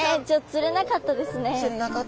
釣れなかったですね。